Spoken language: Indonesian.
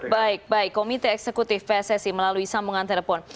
baik baik komite eksekutif pssi melalui sambungan telepon